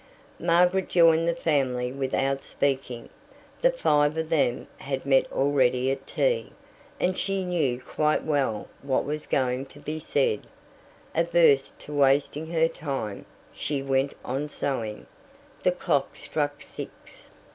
Margaret joined the family without speaking; the five of them had met already at tea, and she knew quite well what was going to be said. Averse to wasting her time, she went on sewing. The clock struck six.